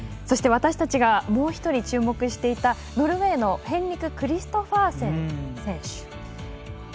そして私たちがもう１人注目していたノルウェーのヘンリク・クリストファーセン選手。